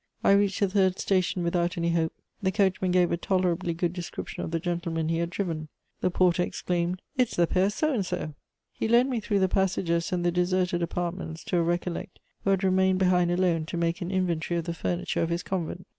I reached the third station without any hope; the coachman gave a tolerably good description of the gentleman he had driven. The porter exclaimed: "It's the Père So and so!" He led me through the passages and the deserted apartments to a Recollect who had remained behind alone to make an inventory of the furniture of his convent.